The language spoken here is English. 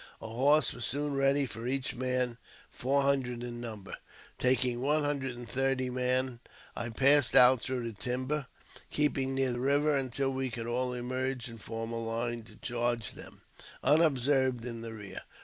A horse was soon ready for each man, four hundred in number. Taking one hundred and thirty men, I passed out through the timber keeping near the river until we could all emerge and form a line to charge them, unobserved, in the rear.